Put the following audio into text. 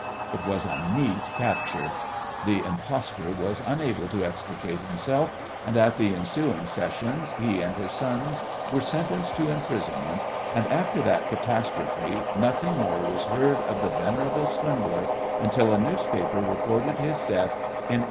It was a neat capture. The impostor was unable to extricate himself, and at the ensuing Sessions he and his sons were sentenced to imprisonment, and after that catastrophe nothing more was heard of the venerable swindler until a newspaper recorded his death in 1858.